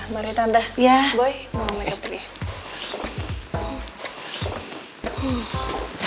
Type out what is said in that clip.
mari tante boy mau makeup dulu ya